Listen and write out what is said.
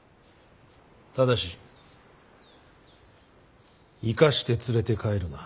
ただし生かして連れて帰るな。